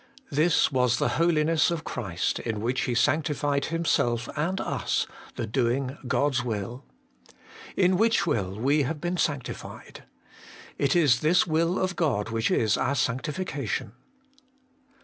This was the holiness of Christ, in which He sanctified Himself and us, the doing God's will ' In which will we have been sancti fied.' It is this will of God which is our sanctification.